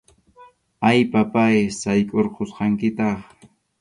A, papáy, saykʼurqusqankitaq.